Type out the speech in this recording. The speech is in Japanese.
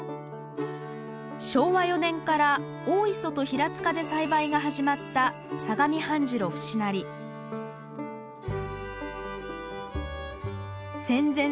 昭和４年から大磯と平塚で栽培が始まった相模半白節成戦前